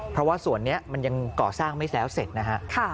เพราะว่าส่วนนี้มันยังก่อสร้างไม่แล้วเสร็จนะฮะ